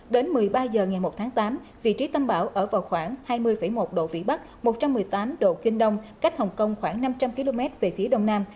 đến một mươi ba h ngày một tháng tám vị trí tâm bão ở vào khoảng hai mươi một độ vĩ bắc một trăm một mươi tám độ kinh đông cách hồng kông khoảng năm trăm linh km về phía đông nam